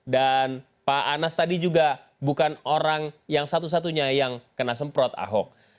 pak anas tadi juga bukan orang yang satu satunya yang kena semprot ahok